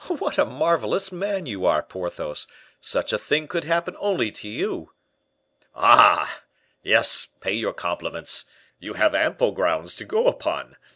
"What a marvelous man you are, Porthos! Such a thing could happen only to you." "Ah! yes; pay your compliments; you have ample grounds to go upon.